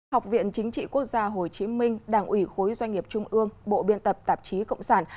học viện chính trị quốc gia hồ chí minh đảng ủy khối doanh nghiệp trung ương bộ biên tập tạp chí cộng sản